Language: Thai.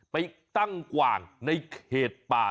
ไปตั้งกว่างในเขตป่า